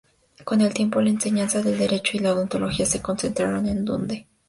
Con el tiempo, la enseñanza del derecho y la odontología se concentraron en Dundee.